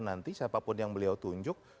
nanti siapapun yang beliau tunjuk